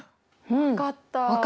分かった！